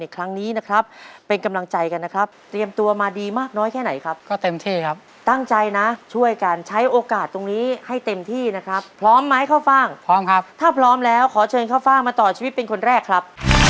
ครั้งนี้นะครับเป็นกำลังใจกันนะครับเตรียมตัวมาดีมากน้อยแค่ไหนครับก็เต็มที่ครับตั้งใจนะช่วยกันใช้โอกาสตรงนี้ให้เต็มที่นะครับพร้อมไหมข้าวฟ่างพร้อมครับถ้าพร้อมแล้วขอเชิญข้าวฟ่างมาต่อชีวิตเป็นคนแรกครับ